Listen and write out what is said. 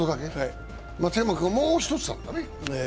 松山君はもうひとつだったね。